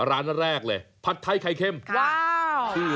อะไรคะเนี่ย